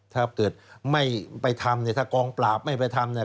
ถ้าเกิดไม่ไปทำถ้ากรองปราบไม่ไปทำ